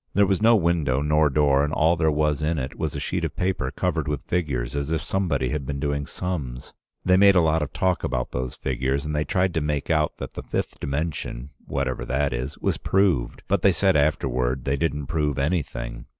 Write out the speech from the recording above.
There was no window, nor door, and all there was in it was a sheet of paper covered with figures, as if somebody had been doing sums. They made a lot of talk about those figures, and they tried to make out that the fifth dimension, whatever that is, was proved, but they said afterward they didn't prove anything.